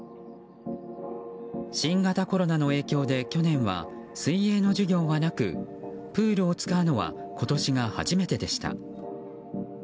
新型コロナの影響で去年は水泳の授業はなくプールを使うのは今年が初めてでした。